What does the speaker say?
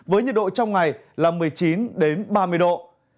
với nhiệt độ trong ngày là một mươi chín ba mươi độ